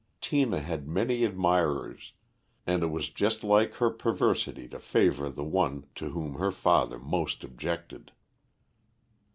Tina had many admirers, and it was just like her perversity to favor the one to whom her father most objected.